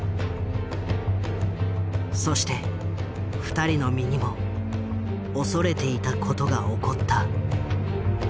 そして２人の身にも恐れていたことが起こった。